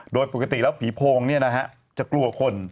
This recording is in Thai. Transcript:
โดยปกติแล้วผีโพงนี่นะฮะจะกลัวคน